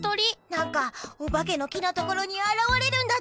なんかおばけのきのところにあらわれるんだって！